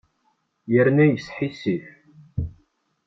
Yerna yesḥissif.